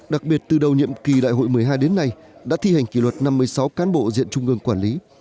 đặc biệt từ đầu nhiệm kỳ đại hội một mươi hai đến nay đã thi hành kỷ luật năm mươi sáu cán bộ diện trung ương quản lý